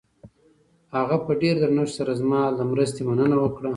هغې په ډېر درنښت سره زما له مرستې مننه وکړه.